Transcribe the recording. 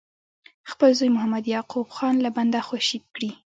خپل زوی محمد یعقوب خان له بنده خوشي کړي.